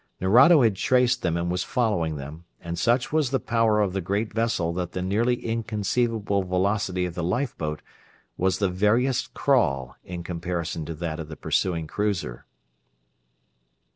Nerado had traced them and was following them, and such was the power of the great vessel that the nearly inconceivable velocity of the lifeboat was the veriest crawl in comparison to that of the pursuing cruiser.